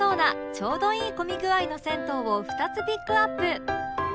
ちょうどいい混み具合の銭湯を２つピックアップ